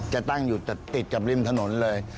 จะตั้งอยู่ติดกับริมถนนเลย